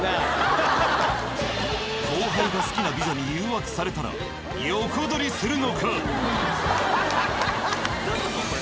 後輩が好きな美女に誘惑されたら横取りするのか？